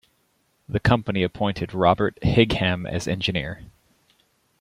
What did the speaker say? The company appointed Robert Higham as engineer.